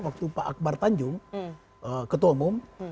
waktu pak akbar tanjung ketua umum